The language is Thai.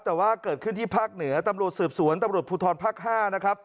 แต่ว่าเกิดขึ้นที่ภาคเหนือตำรวจสืบสวนตำรวจภูทรภาค๕นะครับ